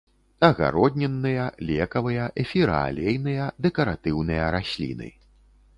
Агароднінныя, лекавыя, эфіраалейныя, дэкаратыўныя расліны.